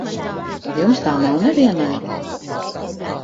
Jums tā nav nevienai?